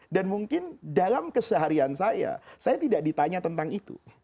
dan mungkin dalam keseharian saya saya tidak ditanya tentang itu